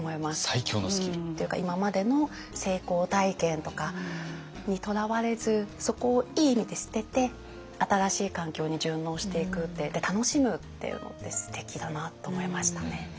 今までの成功体験とかにとらわれずそこをいい意味で捨てて新しい環境に順応していくって楽しむっていうのってすてきだなと思いましたね。